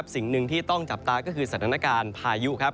สิ่งหนึ่งที่ต้องจับตาก็คือสถานการณ์พายุครับ